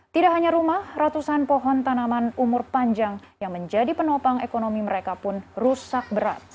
tidak hanya rumah ratusan pohon tanaman umur panjang yang menjadi penopang ekonomi mereka pun rusak berat